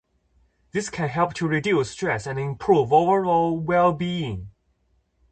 This can help to reduce stress and improve overall well-being.